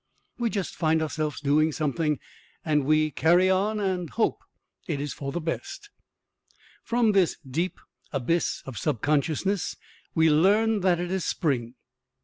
We just find ourself doing something and we carry on and hope it is for the best. From this deep abyss of subconsciousness we learn that it is spring.